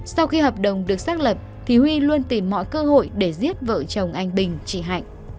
sau khi hợp đồng được xác lập thì huy luôn tìm mọi cơ hội để giết vợ chồng anh bình chị hạnh